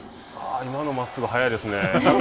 今のまっすぐは速いですね。